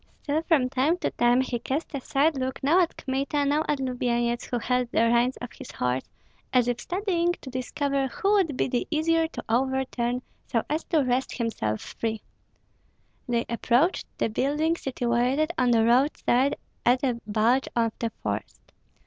Still from time to time he cast a side look now at Kmita, now at Lubyenyets, who held the reins of the horse, as if studying to discover who would be the easier to overturn so as to wrest himself free. They approached the building situated on the roadside at a bulge of the forest.